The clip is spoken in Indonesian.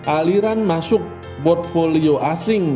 aliran masuk portfolio asing